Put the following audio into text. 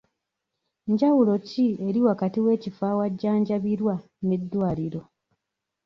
Njawulo ki eri wakati w'ekifo ewajjanjabirwa n'eddwaliro.